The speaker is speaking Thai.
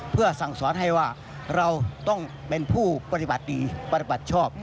เพื่อสั่งสอนให้ว่าเราต้องเป็นผู้ปฏิบัติดีปฏิบัติชอบ